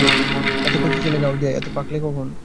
এত কচি ছিলে গাওদিয়ায়, এত পাকলে কখন?